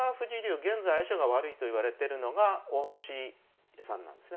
現在相性が悪いといわれてるのが大橋さんなんですね。